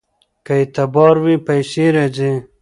که اعتبار وي پیسې راځي.